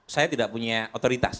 saya tidak punya otoritas